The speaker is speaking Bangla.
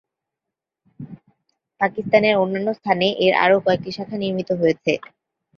পাকিস্তানের অন্যান্য স্থানে এর আরও কয়েকটি শাখা নির্মিত হয়েছে।